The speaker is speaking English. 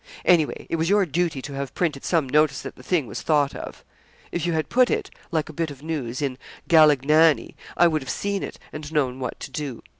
Any way, it was your duty to have printed some notice that the thing was thought of. If you had put it, like a bit of news, in "Galignani," I would have seen it, and known what to do.